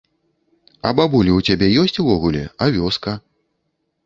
А бабулі ў цябе ёсць увогуле, а вёска?